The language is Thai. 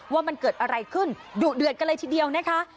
ว่ามันเกิดอะไรขึ้นดุเดือดกันเลยทีเดียวนะคะ